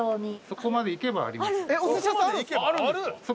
そこまで行けばあります。